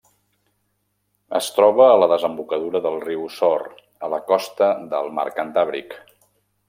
Es troba a la desembocadura del riu Sor, a la costa del mar Cantàbric.